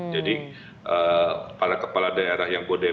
jadi kepala kepala daerah yang bodebek